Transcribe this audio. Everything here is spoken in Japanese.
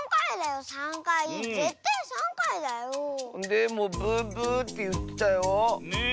でもブブーっていってたよ。